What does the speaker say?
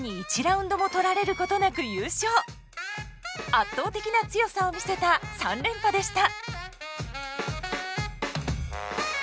圧倒的な強さを見せた３連覇でした。